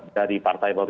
dari partai politik